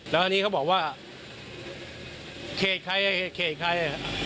แล้วังนี้เขาบอกว่าขยะใครขยะใคร